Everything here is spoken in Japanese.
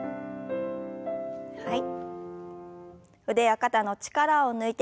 はい。